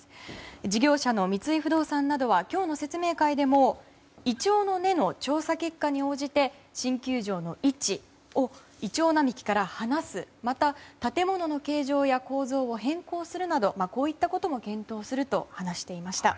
事業者の三井不動産などは今日の説明会でもイチョウの根の調査結果に応じて新球場の位置をイチョウ並木から離すまた建物の形状や構造を変更するなどこういったことも検討すると話していました。